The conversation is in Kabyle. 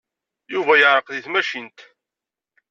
Yuba yeɛreq deg tmacint.